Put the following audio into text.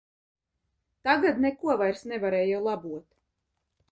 Tagad neko vairs nevarēja labot.